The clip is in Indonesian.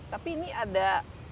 tapi ini ada